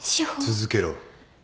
続けろ。